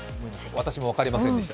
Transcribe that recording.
私も分かりませんでした。